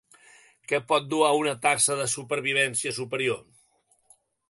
Què pot dur a una taxa de supervivència superior?